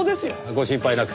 ご心配なく。